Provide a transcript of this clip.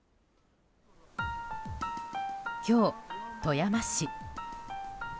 今日、富山市。